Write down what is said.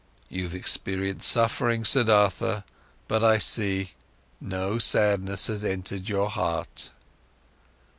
"You've experienced suffering, Siddhartha, but I see: no sadness has entered your heart."